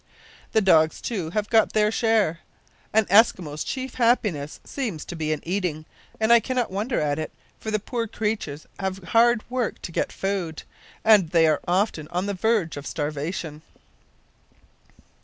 The dogs, too, have got their share. An Eskimo's chief happiness seems to be in eating, and I cannot wonder at it, for the poor creatures have hard work to get food, and they are often on the verge of starvation.